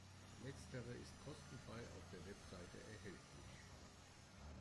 Letztere ist kostenfrei auf der Website erhältlich.